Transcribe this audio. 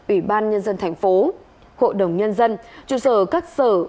ủy ban nhân dân thành phố hộ đồng nhân dân trụ sở các sở